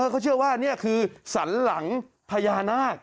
เขาเชื่อว่านี่คือสันหลังพญานาค